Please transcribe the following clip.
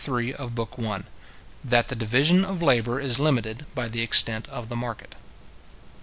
THAT THE DIVISION OF LABOUR IS LIMITED BY THE EXTENT OF THE MARKET.